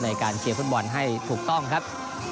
ในการเชียร์ฟุตบอลให้ถูกต้องครับ